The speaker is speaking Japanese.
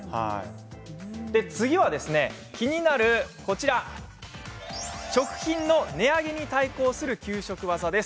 次は気になる食品の値上げに対抗する給食ワザです。